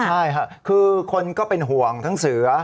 ใช่ค่ะคือคนก็เป็นห่วงทั้งเสือ